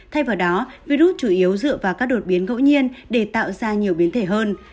thay vào đó virus chủ yếu dựa vào các đột biến ngẫu nhiên để tạo ra nhiều biến thể hơn